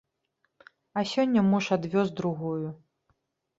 А сёння муж адвёз другую.